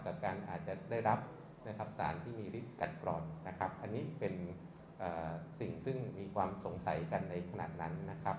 กับการอาจจะได้รับนะครับสารที่มีฤทธิกัดกรอบนะครับอันนี้เป็นสิ่งซึ่งมีความสงสัยกันในขณะนั้นนะครับ